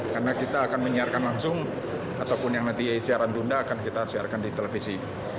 karena kita akan menyiarkan langsung ataupun yang nanti siaran tunda akan kita siarkan di televisi